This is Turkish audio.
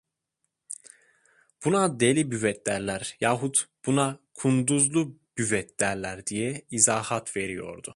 "Buna Deli Büvet derler!" Yahut: "Buna Kunduzlu Büvet derler!" diye izahat veriyordu.